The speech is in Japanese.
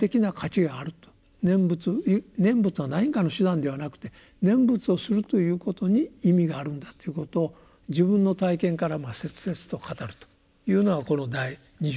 念仏は何かの手段ではなくて念仏をするということに意味があるんだということを自分の体験から切々と語るというのがこの第二条の醍醐味なわけですね。